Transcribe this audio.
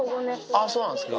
ああ、そうなんですか。